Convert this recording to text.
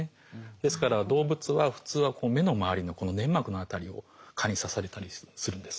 ですから動物は普通は目の周りのこの粘膜の辺りを蚊に刺されたりするんです。